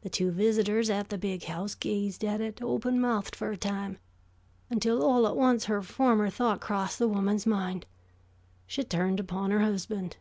The two visitors at the Big House gazed at it open mouthed for a time, until all at once her former thought crossed the woman's mind. She turned upon her husband.